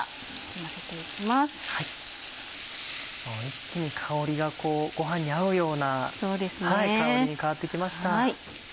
もう一気に香りがご飯に合うような香りに変わってきました。